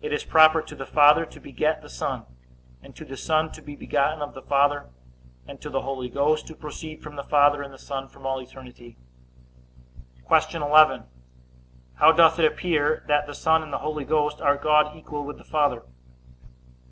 It is proper to the Father to beget the Son, and to the Son to be begotten of the Father, and to the Holy Ghost to proceed from the Father and the Son from all eternity. Q. 11. How doth it appear that the Son and the Holy Ghost are God equal with the Father?